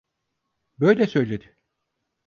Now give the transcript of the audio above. Böyle söyledi.